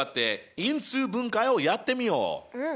うん！